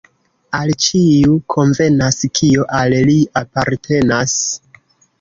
Al ĉiu konvenas, kio al li apartenas.